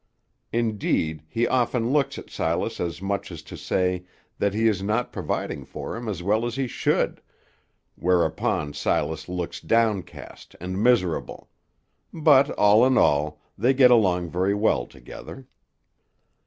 Indeed, he often looks at Silas as much as to say that he is not providing for him as well as he should, whereupon Silas looks downcast and miserable; but, all in all, they get along very well together.